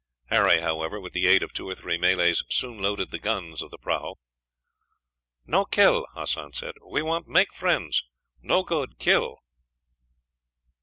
Harry, however, with the aid of two or three Malays, soon loaded the guns of the prahu. "No kill," Hassan said. "We want make friends. No good kill."